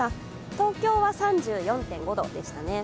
東京は３４．５度でしたね。